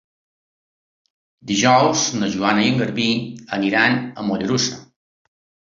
Dijous na Joana i en Garbí aniran a Mollerussa.